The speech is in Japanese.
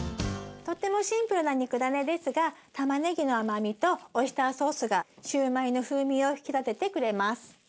とってもシンプルな肉だねですがたまねぎの甘みとオイスターソースがシューマイの風味を引き立ててくれます。